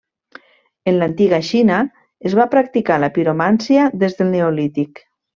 En l'antiga Xina es va practicar la piromància des del neolític.